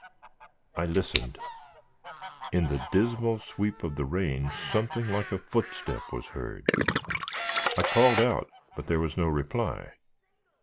I listened. In the dismal sweep of the rain something like a footstep was heard. I called out, but there was no reply.